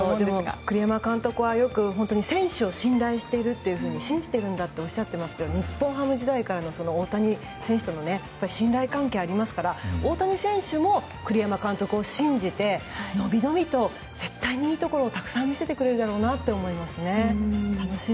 栗山監督は選手を信頼しているというふうに信じているんだとおっしゃっていますけど日本ハム時代からの大谷選手との信頼関係がありますから大谷選手も栗山監督を信じて伸び伸びと絶対にいいところをたくさん見せてくれるだろうなと思います。